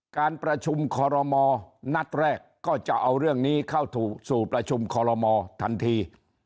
การประชุมคอรมอนัดแรกก็จะเอาเรื่องนี้เข้าสู่ประชุมคอลโลมอทันที